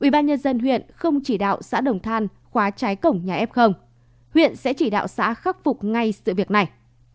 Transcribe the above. ubnd huyện không chỉ đạo xã đồng than khóa trái cổng nhà f huyện sẽ chỉ đạo xã khắc phục ngay sự việc này